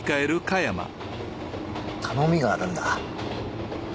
頼みがあるんだ。